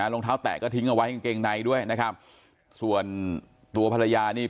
รองเท้าแตะก็ทิ้งเอาไว้กางเกงในด้วยนะครับส่วนตัวภรรยานี่